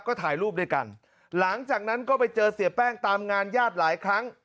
ก็ถ่ายรูปด้วยกันหลังจากนั้นก็ไปเจอเสียแป้งตามงานญาติหลายครั้ง